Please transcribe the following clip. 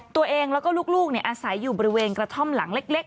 ตัวเองแล้วก็ลูกอาศัยอยู่บริเวณกระท่อมหลังเล็ก